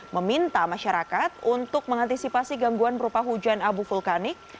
meminta masyarakat untuk mengantisipasi gangguan berupa hujan abu vulkanik